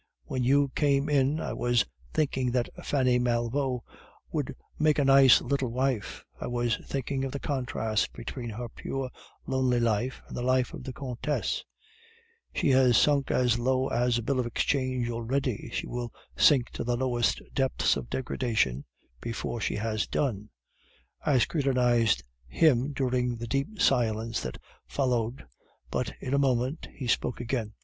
When you came in I was thinking that Fanny Malvaut would make a nice little wife; I was thinking of the contrast between her pure, lonely life and the life of the Countess she has sunk as low as a bill of exchange already, she will sink to the lowest depths of degradation before she has done!' I scrutinized him during the deep silence that followed, but in a moment he spoke again.